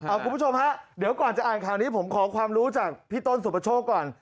คุณผู้ชมฮะเดี๋ยวก่อนจะอ่านข่าวนี้ผมขอความรู้จากพี่ต้นสุประโชคก่อน